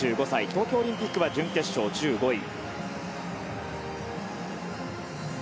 東京オリンピックは準決勝１５位。